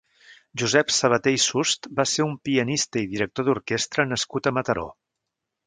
Josep Sabater i Sust va ser un pianista i director d'orquestra nascut a Mataró.